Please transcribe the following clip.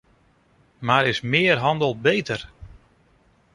Maar is méér handel beter?